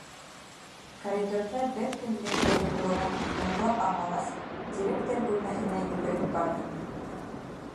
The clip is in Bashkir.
Коридорҙа бер кемдең дә юҡлығын ныҡлап аңлағас, директор бүлмәһенә йүгереп барҙым.